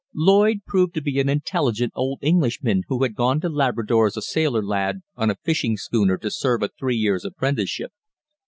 Lloyd proved to be an intelligent old Englishman who had gone to Labrador as a sailor lad on a fishing schooner to serve a three years' apprenticeship.